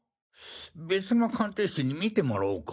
別の鑑定士に見てもらおうか。